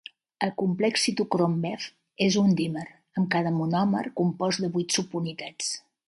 El complex citocrom bf és un dímer, amb cada monòmer compost de vuit subunitats.